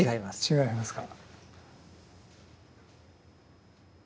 違いますか。